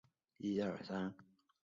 到法国高级美术学院雕塑系学习。